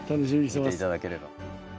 見ていただければ。